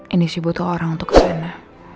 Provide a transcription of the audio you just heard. ini sih butuh orang untuk kesana